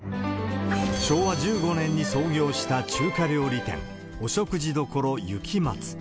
昭和１５年に創業した中華料理店、お食事処雪松。